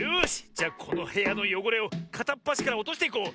じゃこのへやのよごれをかたっぱしからおとしていこう。